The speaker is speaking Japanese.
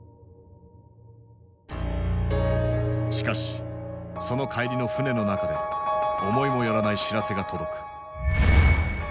しかしその帰りの船の中で思いもよらない知らせが届く。